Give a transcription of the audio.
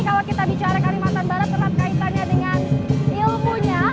kalau kita bicara kalimantan barat terhadap kaitannya dengan ilmunya